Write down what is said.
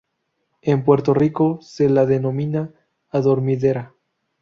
En Puerto Rico se la denomina adormidera.